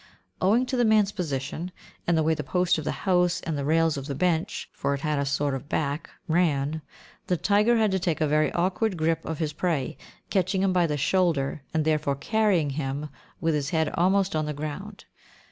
Owing to the man's position, and the way the post of the house and the rails of the bench (for it had a sort of back) ran, the tiger had to take a very awkward grip of his prey, catching him by the shoulder, and therefore carrying him with his head almost on the ground.